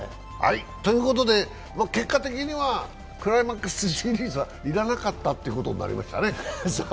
結果的にはクライマックスシリーズはいかなかったということになりましたね。